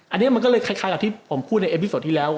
อันนี้มันก็เลยคล้ายกับที่ผมพูดในเอ็มพิสดที่แล้ว